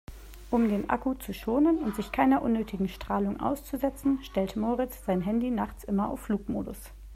Um den Akku zu schonen und sich keiner unnötigen Strahlung auszusetzen, stellt Moritz sein Handy nachts immer auf Flugmodus.